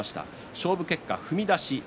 勝負結果、踏み出しです。